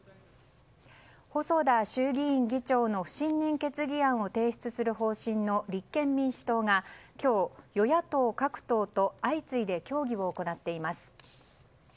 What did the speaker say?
細田衆議院議長の不信任決議案を提出する方針の立憲民主党が今日、与野党各党と相次いで協議を行っています。